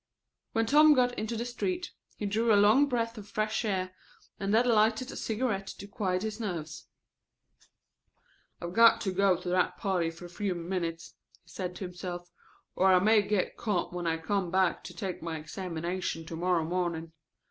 When Tom got into the street he drew a long breath of fresh air, and then lighted a cigarette to quiet his nerves. "I've got to go to that party for a few minutes," he said to himself, "or I may get caught when I come to take my examination to morrow morning.